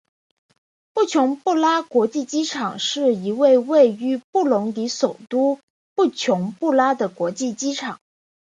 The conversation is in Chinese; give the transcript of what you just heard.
布琼布拉国际机场是一位位于布隆迪首都布琼布拉的国际机场。